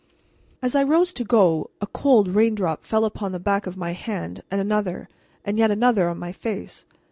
As I rose to go, a cold raindrop fell upon the back of my hand, and another, and yet another on my face.